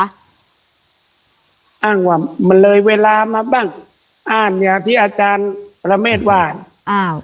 อ้างว่ามันเลยเวลามาบ้างอ้านอย่างที่อาจารย์ประเมฆว่าอ้าว